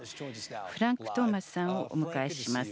フランク・トーマスさんをお迎えします。